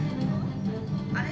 あれ？